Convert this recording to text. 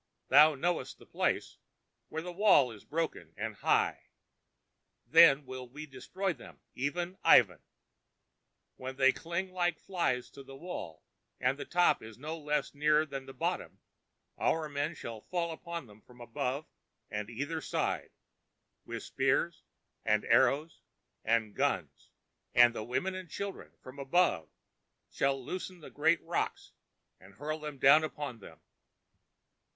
Thou knowest the place, where the wall is broken and high. Then will we destroy them, even Ivan. When they cling like flies to the wall, and top is no less near than bottom, our men shall fall upon them from above and either side, with spears, and arrows, and guns. And the women and children, from above, shall loosen the great rocks and hurl them down upon them.